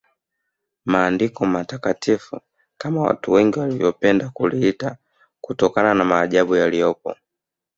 Maandiko Matakatifu kama watu wengi wanavyopenda kuliita kutokana na maajabu yaliyopo